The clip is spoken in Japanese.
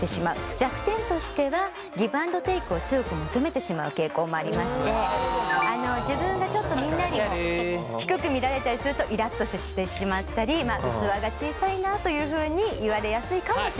弱点としてはギブアンドテークを強く求めてしまう傾向もありまして自分がちょっとみんなに低く見られたりするとイラっとしてしまったり器が小さいなというふうに言われやすいかもしれません。